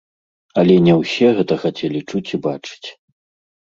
Але не ўсе гэта хацелі чуць і бачыць.